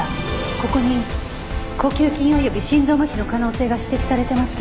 ここに呼吸筋および心臓麻痺の可能性が指摘されてますけど。